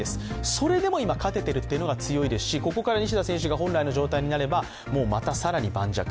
それでも勝てているというのが強いんで強いですし、ここから西田選手が本来の状態になれば、また更に盤石。